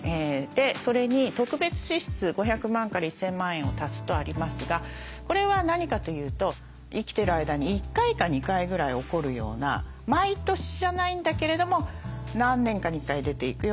それに特別支出５００万から１，０００万円を足すとありますがこれは何かというと生きてる間に１回か２回ぐらい起こるような毎年じゃないんだけれども何年かに１回出ていくようなお金。